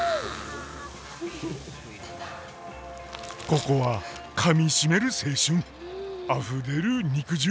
ここはかみしめる青春あふれる肉汁！